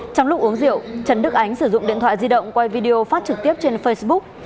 trong lúc uống rượu trần đức ánh sử dụng điện thoại di động quay video phát trực tiếp trên facebook